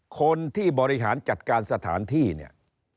คนที่บริหารจัดการสถานที่เนี่ย